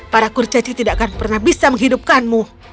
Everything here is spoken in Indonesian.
para kurcaci tidak akan pernah bisa menghidupkanmu